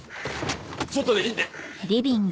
ちょっとでいいんで！